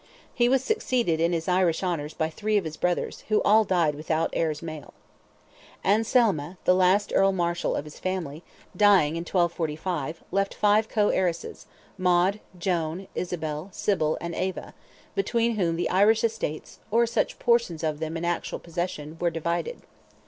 He was succeeded in his Irish honours by three of his brothers, who all died without heirs male. Anselme, the last Earl Marshal of his family, dying in 1245, left five co heiresses, Maud, Joan, Isabel, Sybil, and Eva, between whom the Irish estates—or such portions of them in actual possession—were divided.